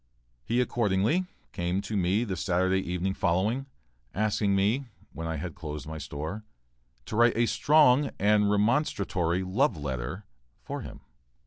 He accordingly came to me the Saturday evening following, asking me, when I had closed my store, to write a strong and remonstratory "love letter" for him.